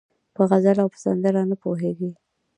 په غزل او په سندره نه پوهېږي